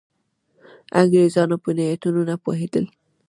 انګرېزان په نیتونو نه پوهېدل.